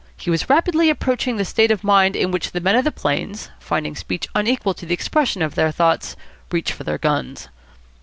He was rapidly approaching the state of mind in which the men of the plains, finding speech unequal to the expression of their thoughts, reach for their guns.